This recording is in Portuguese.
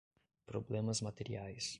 problemas materiais